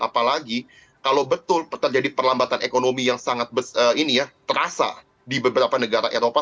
apalagi kalau betul terjadi perlambatan ekonomi yang sangat terasa di beberapa negara eropa